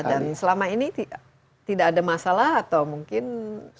dan selama ini tidak ada masalah atau mungkin pasti ada